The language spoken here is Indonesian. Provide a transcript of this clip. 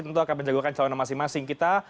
tentu akan menjagokan calon masing masing kita